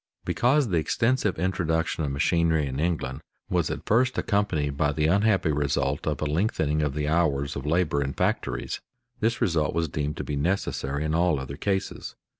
Because the extensive introduction of machinery in England was at first accompanied by the unhappy result of a lengthening of the hours of labor in factories, this result was deemed to be necessary in all other cases.